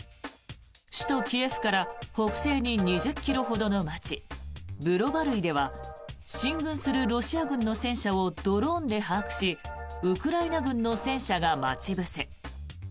首都キエフから北西に２０ｋｍほどの街ブロバルイでは進軍するロシア軍の戦車をドローンで把握しウクライナ軍の戦車が待ち伏せ。